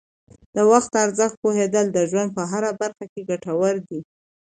د وخت ارزښت پوهیدل د ژوند په هره برخه کې ګټور دي.